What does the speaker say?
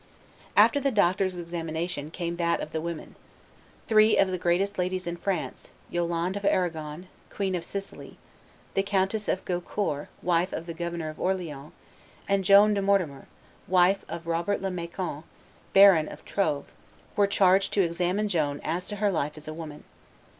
After the doctors' examination came that of the women. Three of the greatest ladies in France, Yolande of Arragon, Queen of Sicily; the Countess of Gaucourt, wife of the Governor of Orleans; and Joan de Mortemer, wife of Robert le Macon, Baron of Troves, were charged to examine Joan as to her life as a woman.